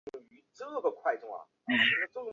学院亦提供其他学习机会如各类不同之课程。